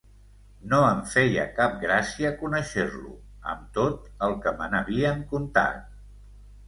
No em feia cap gràcia conéixer-lo, amb tot el que me n’havien contat.